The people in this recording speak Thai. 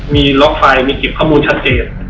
มีล็อกไฟมีเก็บข้อมูลชัดเจน